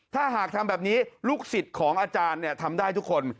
ถ้าหากทำแบบนี้ลูกศิษย์ของอาจารย์ทำได้ทุกคน